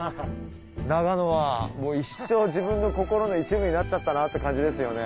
長野は一生自分の心の一部になっちゃったなって感じですよね。